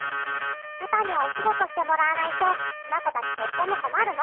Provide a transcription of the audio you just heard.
パパにはおしごとしてもらわないときなこたちとってもこまるの！